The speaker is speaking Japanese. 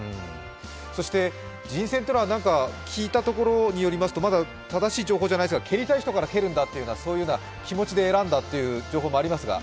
人選というのは聞いたところによりますとまだ正しい情報じゃないけれども蹴りたい人が蹴るんだということで選んだという情報がありますが？